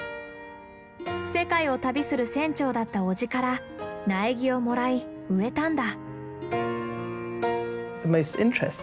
世界を旅する船長だった叔父から苗木をもらい植えたんだ。